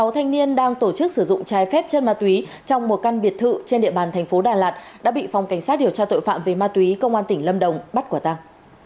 sáu thanh niên đang tổ chức sử dụng trái phép chân ma túy trong một căn biệt thự trên địa bàn thành phố đà lạt đã bị phòng cảnh sát điều tra tội phạm về ma túy công an tỉnh lâm đồng bắt quả tăng